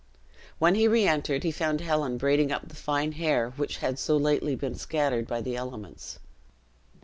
When he re entered, he found Helen braiding up the fine hair which had so lately been scattered by the elements.